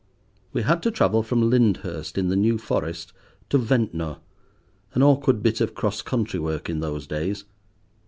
We had to travel from Lyndhurst in the New Forest to Ventnor, an awkward bit of cross country work in those days.